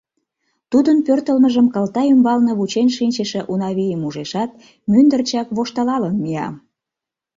Тудын пӧртылмыжым кылта ӱмбалне вучен шинчыше Унавийым ужешат, мӱндырчак воштылалын мия.